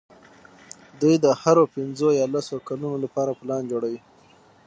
دوی د هرو پینځو یا لسو کلونو لپاره پلان جوړوي.